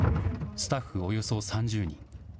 スタッフおよそ３０人。